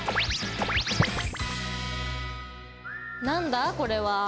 何だこれは？